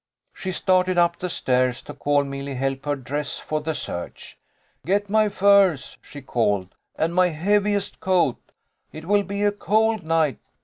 She started up the stairs to call Milly help her dress for the search. "Get my furs," she called, "and my heaviest coat. It will be a cold night."